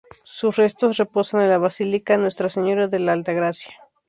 Sus restos reposan en la Basílica Nuestra Señora de la Altagracia.